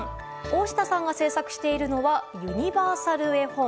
大下さんが制作しているのはユニバーサル絵本。